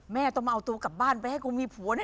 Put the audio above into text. แม่ต้องมาเอาตัวกลับบ้านไปให้กูมีผัวแน่